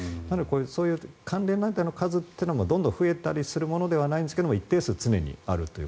そういう関連団体の数というのはどんどん増えたりするものではないんですが一定数常にあると。